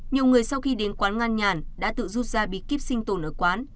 nhiều người sau khi đến quán ngăn nhàn đã tự rút ra bị kíp sinh tồn ở quán